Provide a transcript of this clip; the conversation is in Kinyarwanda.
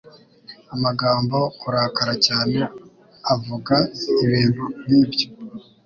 Agomba kurakara cyane avuga ibintu nkibyo.